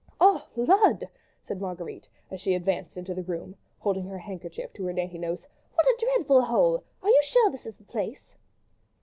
"Oh, lud!" said Marguerite, as she advanced into the room, holding her handkerchief to her dainty nose, "what a dreadful hole! Are you sure this is the place?"